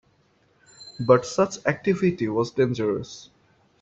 But such activity was dangerous.